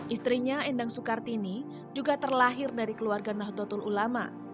istrinya endang soekartini juga terlahir dari keluarga nahdlatul ulama